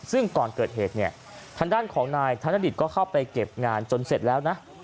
ซึ่งก่อนเกิดเหตุเนี่ยทางด้านของนายธนดิตก็เข้าไปเก็บงานจนเสร็จแล้วนะ